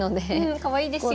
かわいいですよね。